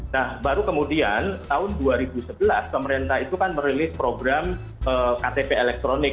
nah baru kemudian tahun dua ribu sebelas pemerintah itu kan merilis program ktp elektronik